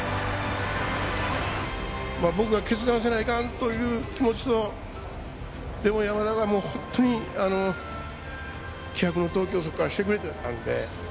僕が決断せないかんという気持ちとでも山田が本当に気迫の投球をそこからしてくれてたんで。